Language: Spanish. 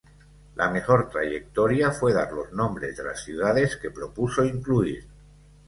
La mejor trayectoria fue dar los nombres de las ciudades que propuso incluir.